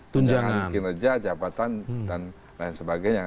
tunjangan kinerja jabatan dan lain sebagainya